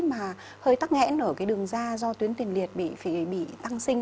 mà hơi tăng nghẽn ở cái đường da do tuyến tiền liệt bị tăng sinh